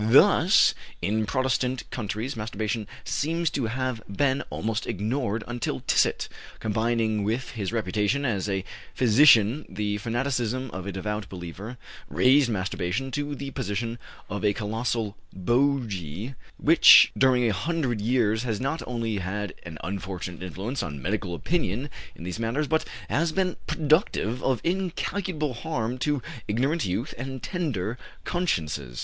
Thus in Protestant countries masturbation seems to have been almost ignored until Tissot, combining with his reputation as a physician the fanaticism of a devout believer, raised masturbation to the position of a colossal bogy which during a hundred years has not only had an unfortunate influence on medical opinion in these matters, but has been productive of incalculable harm to ignorant youth and tender consciences.